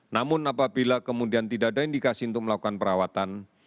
namun apabila kemudian tidak ada indikasi untuk melakukan perawatan